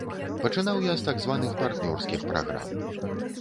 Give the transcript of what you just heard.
Пачынаў я з так званых партнёрскіх праграм.